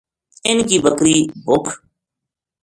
اِنھ کی بکری بھُکھ